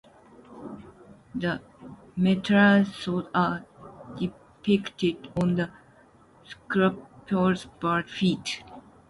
The metatarsals are depicted on the sculpture’s bare feet.